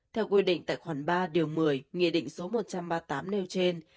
theo quy định tại khoản ba điều một mươi nghị định số một trăm ba mươi tám nêu trên